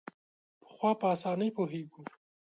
پخوا په اسانۍ پوهېږو.